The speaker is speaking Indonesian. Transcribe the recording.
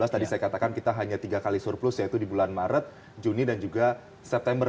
tadi saya katakan kita hanya tiga kali surplus yaitu di bulan maret juni dan juga september